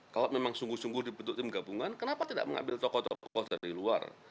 kalau memang sungguh sungguh dibentuk tim gabungan kenapa tidak mengambil tokoh tokoh dari luar